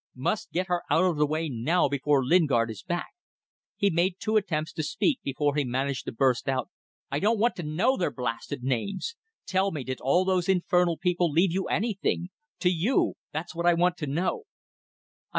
Must get her out of the way now before Lingard is back. He made two attempts to speak before he managed to burst out "I don't want to know their blasted names! Tell me, did all those infernal people leave you anything? To you! That's what I want to know!"